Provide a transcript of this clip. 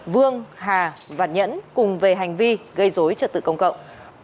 vương hà và nhẫn cùng về hành vi gây dối trật tự công cộng